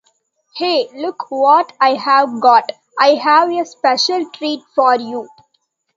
Hey, look what I've got! I have a special treat for you.